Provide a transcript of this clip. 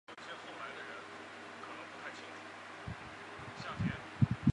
他在国家评论协会和好莱坞电影奖赢得突破艺人奖。